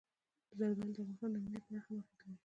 زردالو د افغانستان د امنیت په اړه هم اغېز لري.